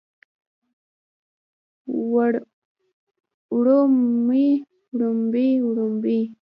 وړومبي وړومبۍ وړومبنۍ